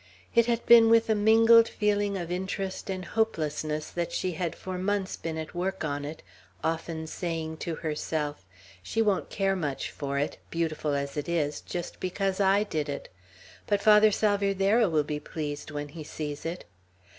It had been with a mingled feeling of interest and hopelessness that she had for months been at work on it, often saying to herself, "She won't care much for it, beautiful as it is, just because I did it; but Father Salvierderra will be pleased when he sees it."